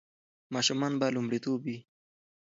ماشومان به لومړیتوب وي.